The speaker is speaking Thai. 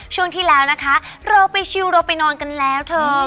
ช่วงที่แล้วนะคะเราไปชิวเราไปนอนกันแล้วเถอะ